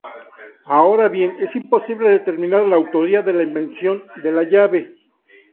Ahora bien, es imposible determinar la autoría de la invención de la llave.